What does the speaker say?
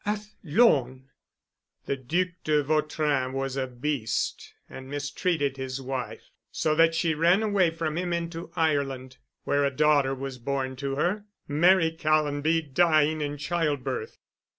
"Athlone!" "The Duc de Vautrin was a beast and mistreated his wife, so that she ran away from him into Ireland, where a daughter was born to her—Mary Callonby dying in childbirth."